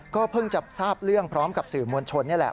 เพิ่งจะทราบเรื่องพร้อมกับสื่อมวลชนนี่แหละ